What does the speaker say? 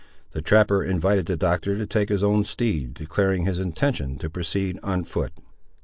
The trapper invited the Doctor to take his own steed, declaring his intention to proceed on foot.